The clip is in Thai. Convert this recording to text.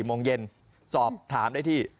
โมงเย็นสอบถามได้ที่